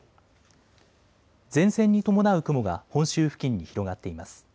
前線に伴う雲が本州付近に広がっています。